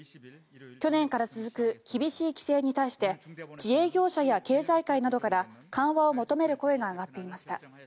去年から続く厳しい規制に対して自営業者や経済界などから緩和を求める声が上がっていました。